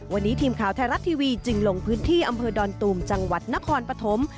วันนี้ทีมข่าวไทยรัฐทีวีจึงลงพื้นที่อำเภอดอนตูมจังหวัดนครปฐม